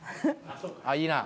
あっいいな。